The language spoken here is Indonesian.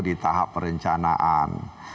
di tahap perencanaan